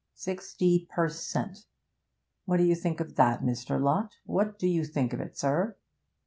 Sixty per cent. what do you think of that, Mr. Lott? What do you think of it, sir?'